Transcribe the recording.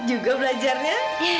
kamu juga belajarnya